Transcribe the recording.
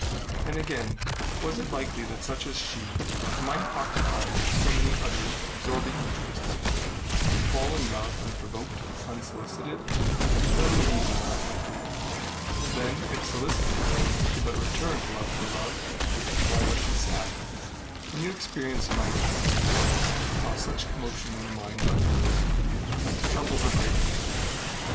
And again, was it likely that such as she, her mind occupied with so many other absorbing interests, would fall in love unprovoked, unsolicited? That, indeed, was not likely. Then if, solicited, she but returned love for love, why was she sad? The new experience might, it is true, cause such commotion in a mind like hers as to trouble her greatly.